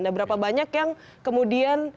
dan berapa banyak yang kemudian